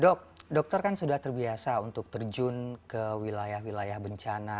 dok dokter kan sudah terbiasa untuk terjun ke wilayah wilayah bencana